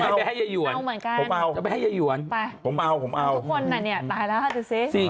เราไปให้ย่อหย่วนไปทุกคนนะเนี่ยตายแล้วสิ